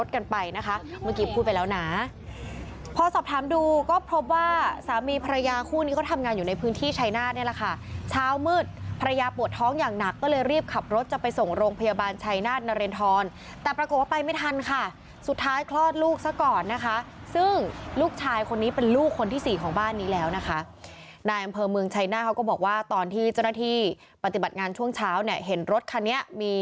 กันไปนะคะเมื่อกี้พูดไปแล้วนะพอสอบถามดูก็พบว่าสามีภรรยาคู่นี้ก็ทำงานอยู่ในพื้นที่ชัยนาธน์เนี่ยแหละค่ะเช้ามืดภรรยาปวดท้องอย่างหนักก็เลยรีบขับรถจะไปส่งโรงพยาบาลชัยนาธนรณฑรแต่ปรากฏว่าไปไม่ทันค่ะสุดท้ายคลอดลูกซะก่อนนะคะซึ่งลูกชายคนนี้เป็นลูกคนที่สี่ของบ้านนี้แล้วนะคะนายอ